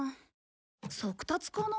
速達かな？